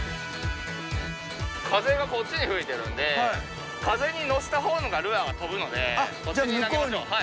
風がこっちに吹いてるんで風に乗せた方がルアーは飛ぶのでこっちに投げましょう。